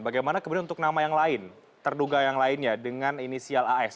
bagaimana kemudian untuk nama yang lain terduga yang lainnya dengan inisial as